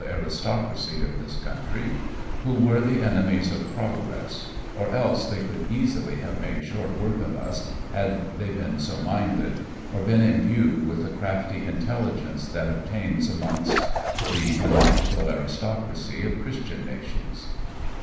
aristocracy of this country, who were the enemies of progress, or else they could easily have made short work of us had they been so minded, or been imbued with the crafty intelligence that obtains amongst the monarchical aristocracy of Christian nations.